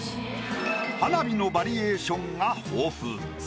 花火のバリエーションが豊富。